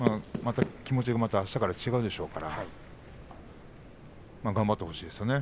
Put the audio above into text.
気持ちがまたあしたから違うでしょうから頑張ってほしいですね。